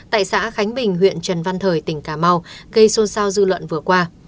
tại xã khánh bình huyện trần văn thời tỉnh cà mau gây xôn xao dư luận vừa qua